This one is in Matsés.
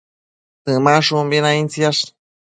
Temashumbi naidtsiash